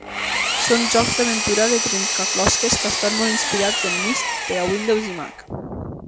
Són jocs d'aventura de trencaclosques que estan molt inspirats en "Myst" per a Windows i Mac.